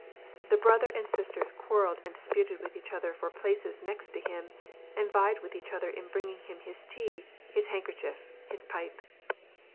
The brother and sisters quarrelled and disputed with each other for places next him, and vied with each other in bring ing him his tea, his handkerchief, his pipe.